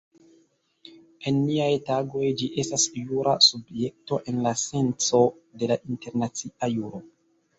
En niaj tagoj ĝi estas jura subjekto en la senco de la internacia juro.